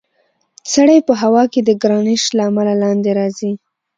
سړی په هوا کې د ګرانش له امله لاندې راځي.